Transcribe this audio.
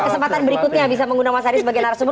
kesempatan berikutnya bisa menggunakan mas haris sebagai narsum